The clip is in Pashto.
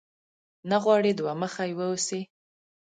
نه غواړې دوه مخی واوسې؟